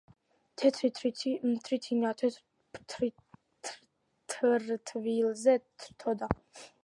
თეთრი თრითინა, თეთრ თრთვილზე თრთოდა